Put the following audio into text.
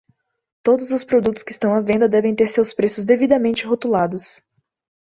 Todos os produtos que estão à venda devem ter seus preços devidamente rotulados.